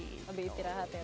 lebih istirahat ya